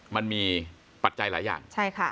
มันมีปัจจัยหลายอย่าง